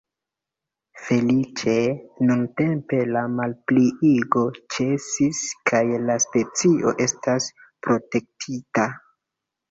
Feliĉe nuntempe la malpliigo ĉesis kaj la specio estas protektita.